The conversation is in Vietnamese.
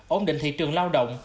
ổn định thị trường lao động